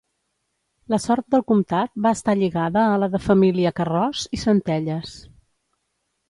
La sort del comtat va estar lligada a la de família Carròs i Centelles.